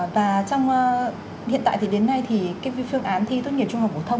và trong hiện tại thì đến nay thì cái phương án thi tốt nghiệp trung học phổ thông